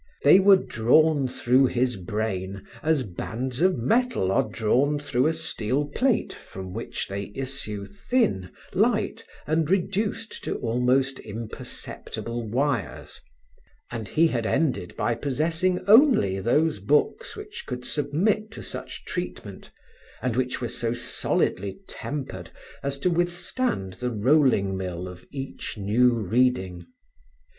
They were drawn through his brain as bands of metal are drawn through a steel plate from which they issue thin, light, and reduced to almost imperceptible wires; and he had ended by possessing only those books which could submit to such treatment and which were so solidly tempered as to withstand the rolling mill of each new reading.